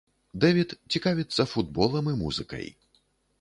Дэвід цікавіцца футболам і музыкай.